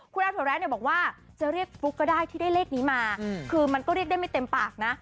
คุณอาถวแร้เนี่ยบอกว่าจะเรียกฟลุ๊กก็ได้ที่ได้เลขนี้มาคือมันก็เรียกได้ไม่เต็มปากนะ